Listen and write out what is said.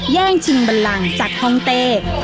แย่งชิงบันลังจากห้องเต้